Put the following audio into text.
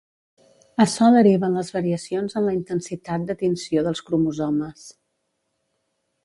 Açò deriva en les variacions en la intensitat de tinció dels cromosomes.